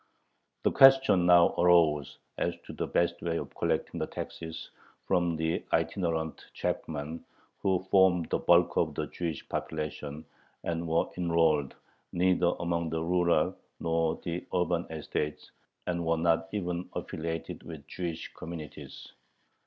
The question now arose as to the best way of collecting the taxes from the itinerant chapmen who formed the bulk of the Jewish population, and were enrolled neither among the rural nor the urban estates, and were not even affiliated with Jewish communities.